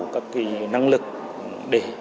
các cái năng lực để